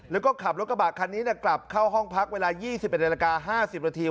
แล้วก็ขับรถกระบะคันนี้กลับเข้าห้องพักเวลา๒๑นาฬิกา๕๐นาที